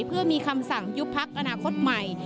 เพื่อมีคำสั่งยุบพักอนาคตใหม่